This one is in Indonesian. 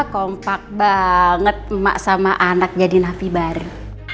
kompak banget emak sama anak jadi nafi baru